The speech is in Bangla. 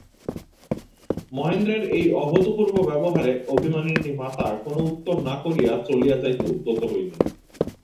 মহেন্দ্রের এই অভূতপূর্ব ব্যবহারে অভিমানিনী মাতা কোনো উত্তর না করিয়া চলিয়া যাইতে উদ্যত হইলেন।